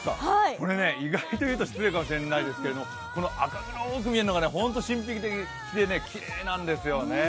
これね、意外と言うと失礼かもしれないですけど赤黒く見えるのが神秘的できれいなんですよね。